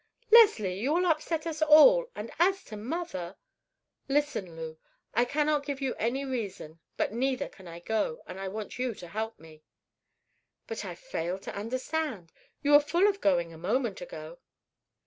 "Leslie! you will upset us all, and as to mother——" "Listen, Lew, I cannot give you any reason; but neither can I go, and I want you to help me." "But I fail to understand. You were full of going a moment ago."